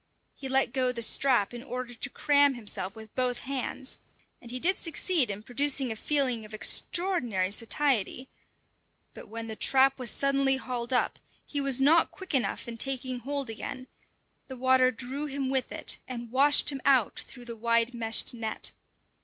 He let go the strap in order to cram himself with both hands, and he did succeed in producing a feeling of extraordinary satiety; but when the trap was suddenly hauled up, he was not quick enough in taking hold again; the water drew him with it, and washed him out through the wide meshed net.